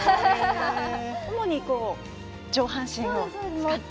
主に上半身を使って？